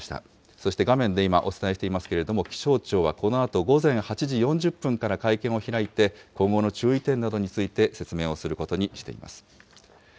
そして画面で今お伝えしていますけれども、気象庁はこのあと午前８時４０分から会見を開いて、今後の注意点などについて、説明をすることにしています。